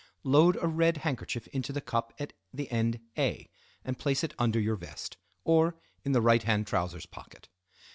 Load a red handkerchief into the cup at the end A, and place it under your vest, or in the right hand trousers pocket.